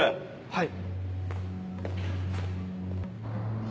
はい。